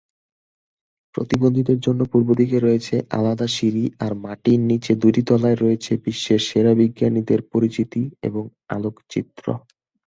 প্রতিবন্ধীদের জন্য পূর্বদিকে রয়েছে আলাদা সিঁড়ি আর মাটির নিচের দুটি তলায় রয়েছে বিশ্বের সেরা বিজ্ঞানীদের পরিচিতি এবং আলোকচিত্র।